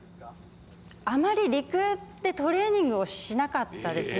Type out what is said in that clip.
あまり陸でトレーニングをしなかったですね。